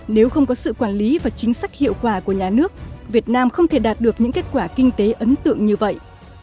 nếu không có sự quản lý và chính sách hiệu quả của nhà nước việt nam không thể đạt được những kết quả kinh tế ấn tượng như vậy